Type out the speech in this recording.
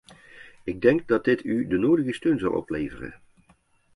Ik denk dat dit u de nodige steun zal opleveren.